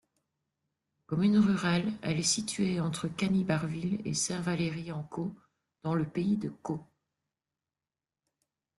Commune rurale, elle est située entre Cany-Barville et Saint-Valery-en-Caux, dans le pays de Caux.